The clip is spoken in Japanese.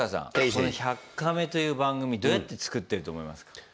この「１００カメ」という番組どうやって作ってると思いますか？